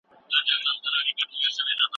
د اوبو مقاومت عضلات قوي کوي.